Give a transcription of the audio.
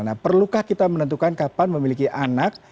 nah perlukah kita menentukan kapan memiliki anak